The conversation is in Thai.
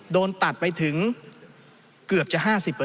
โดนตัดไปถึงเกือบจะ๕๐